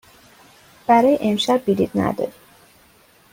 برای امشب بلیط نداریم.